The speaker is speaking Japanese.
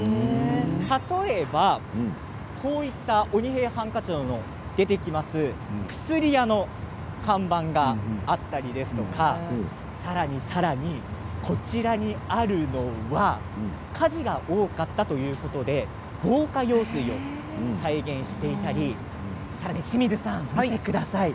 例えば、こういった「鬼平犯科帳」に出てきます薬屋の看板があったりさらに、さらにこちらにあるのは火事が多かったということで防火用水を再現していたりさらに清水さん、ご覧ください。